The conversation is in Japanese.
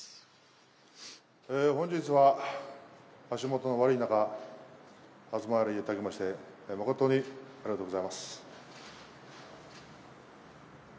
本日は足元の悪い中、お集まりいただきまして、誠にありがとうございます。